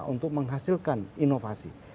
untuk menghasilkan inovasi